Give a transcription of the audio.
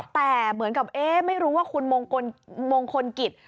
แต่เหมือนกับเอ๊ะไม่รู้ว่าคุณมงคลกิจ